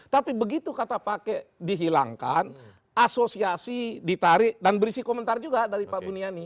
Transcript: tapi begitu kata pakai dihilangkan asosiasi ditarik dan berisi komentar juga dari pak buniani